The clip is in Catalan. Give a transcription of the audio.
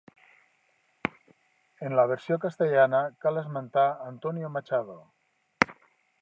En la versió castellana cal esmentar Antonio Machado.